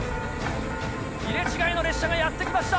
入れ違いの列車がやって来ました。